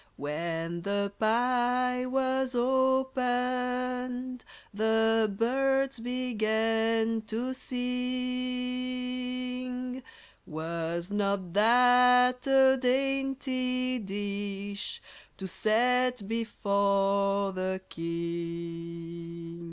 When the pie was opened The birds began to sing. Was not that a dainty dish To set before the king?